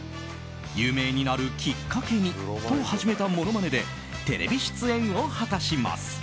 有名になるきっかけにと始めたものまねでテレビ出演を果たします。